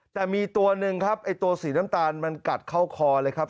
แต่มีตัวหนึ่งครับไอ้ตัวสีน้ำตาลมันกัดเข้าคอเลยครับ